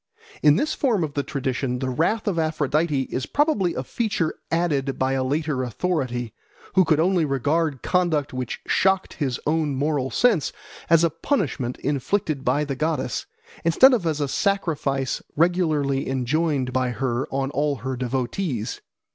In this form of the tradition the wrath of Aphrodite is probably a feature added by a later authority, who could only regard conduct which shocked his own moral sense as a punishment inflicted by the goddess instead of as a sacrifice regularly enjoined by her on all her devotees.